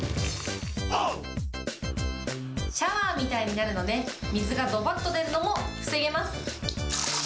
シャワーみたいになるので、水がどばっと出るのを防げます。